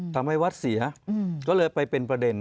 ทำให้วัดเสียก็เลยไปเป็นประเด็น